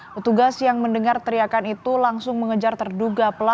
petugas yang mendengar teriakan itu langsung menangkap tangan sepeda motor di kuningan jawa barat